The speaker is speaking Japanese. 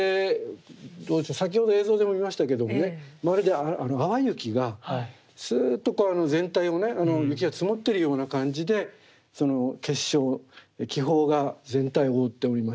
先ほど映像でも見ましたけどもねまるで淡雪がすっと全体をね雪が積もってるような感じでその結晶気泡が全体を覆っておりまして。